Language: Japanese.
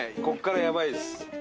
ここからやばいです。